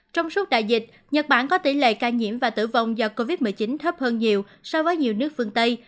trong suốt đại dịch nhật bản có tỷ lệ ca nhiễm và tử vong do covid một mươi chín thấp hơn nhiều so với nhiều nước phương tây